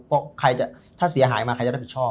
ใครจะถ้าเสียหายมาใครจะรับผิดชอบ